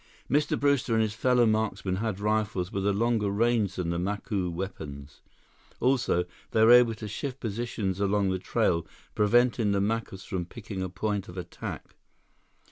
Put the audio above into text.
Mr. Brewster and his fellow marksmen had rifles with a longer range than the Macu weapons. Also, they were able to shift positions along the trail, preventing the Macus from picking a point of attack.